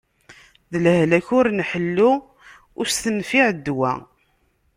D lehlak ur nḥellu, ur s-tenfiɛ ddwa.